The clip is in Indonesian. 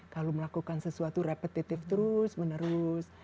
kalau melakukan sesuatu repetitif terus menerus